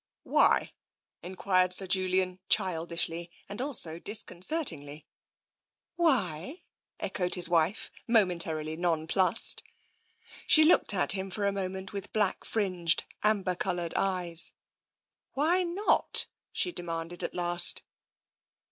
"Why?" enquired Sir Julian childishly, and also disconcertingly. '' Whyf ^' echoed his wife, momentarily non plussed. TENSION 7 She looked at him for a moment with black fringed, amber coloured eyes. Why not ?" she demanded at last.